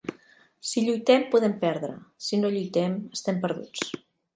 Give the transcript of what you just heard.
Si lluitem podem perdre, si no lluitem, estem perduts.